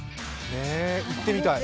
行ってみたい。